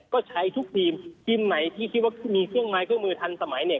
ก็ใช้ทุกทีมทีมไหนที่คิดว่ามีเครื่องไม้เครื่องมือทันสมัยเนี่ย